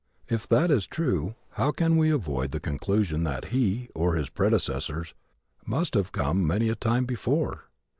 If that is true how can we avoid the conclusion that He, or his predecessors, must have come many a time before?